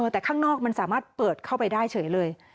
แต่ข้างนอกมันสามารถเปิดเข้าไปได้เฉยเลย